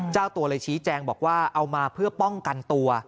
เจ้าตัวเลยชี้แจงบอกว่าเอามาเพื่อป้องกันตัว